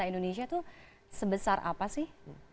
indonesia itu sebesar apa sih